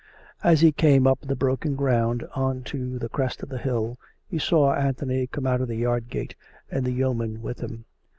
As he came up the broken ground on to the crest of the hill, he saw Anthony come out of the yard gate and the yeoman with him.